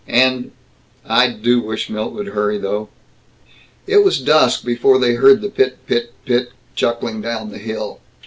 And I do wish Milt would hurry, though!" It was dusk before they heard the pit pit pit chuckling down the hill.